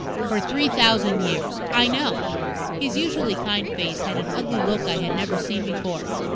"For three thousand years. I know." His usually kind face had an ugly look I had never seen before.